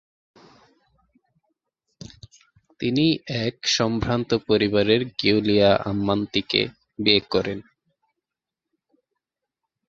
তিনি এক সম্ভ্রান্ত পরিবারের গিয়ুলিয়া আম্মানতিকে বিয়ে করেন।